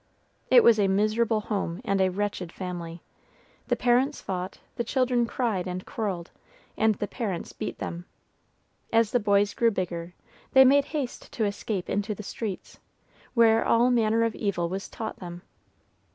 It was a miserable home and a wretched family. The parents fought, the children cried and quarrelled, and the parents beat them. As the boys grew bigger, they made haste to escape into the streets, where all manner of evil was taught them.